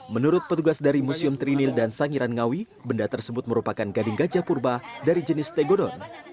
menurut petugas dari museum trinil dan sangiran ngawi benda tersebut merupakan gading gajah purba dari jenis tegodon